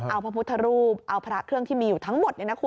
เอาพระพุทธรูปเอาพระเครื่องที่มีอยู่ทั้งหมด